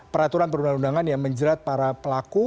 peraturan perundang undangan yang menjerat para pelaku